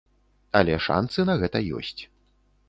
Але шанцы на гэта ёсць.